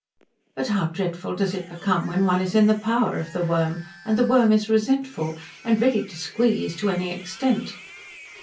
But how dreadful does it become when one is in the power of the worm, and the worm is resentful, and ready to squeeze to any extent.